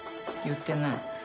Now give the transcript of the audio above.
言ってない。